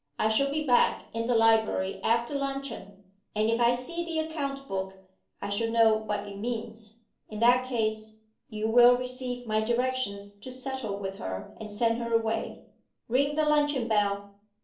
I shall be back in the library after luncheon and if I see the account book I shall know what it means. In that case, you will receive my directions to settle with her and send her away. Ring the luncheon bell."